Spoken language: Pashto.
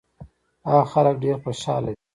هغه خلک ډېر خوشاله دي.